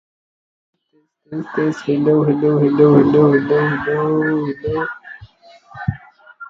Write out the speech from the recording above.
This is the well known exothermic reaction which takes place in charcoal burning.